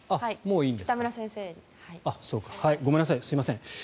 ごめんなさい、すいません。